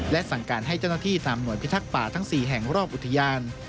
และสั่งการให้เจ้าหน้าที่ตามหน่วยพิทักษ์ป่าทั้ง๔แห่งรอบอุทยาน